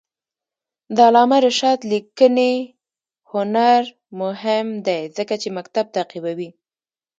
د علامه رشاد لیکنی هنر مهم دی ځکه چې مکتب تعقیبوي.